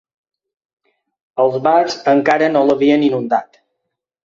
Els bars encara no l’havien inundat.